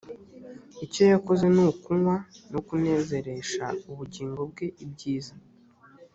icyo yakoze ni kunywa no kunezeresha ubugingo bwe ibyiza